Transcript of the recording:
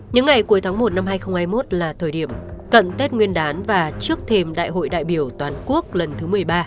những ngày cuối tháng một năm hai nghìn hai mươi một là thời điểm cận tết nguyên đán và trước thềm đại hội đại biểu toàn quốc lần thứ một mươi ba